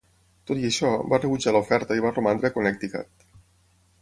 Tot i això, va rebutjar l'oferta i va romandre a Connecticut.